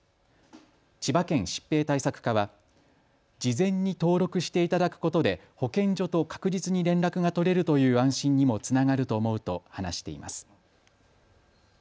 千葉県疾病対策課は事前に登録していただくことで保健所と確実に連絡が取れるという安心にもつながると思うと話しています。